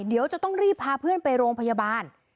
เดี๋ยวจะต้องรีบพาเพื่อนไปโรงพยาบาล